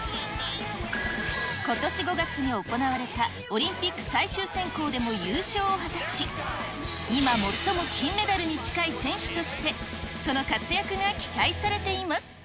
ことし５月に行われたオリンピック最終選考でも優勝を果たし、今、最も金メダルに近い選手としてその活躍が期待されています。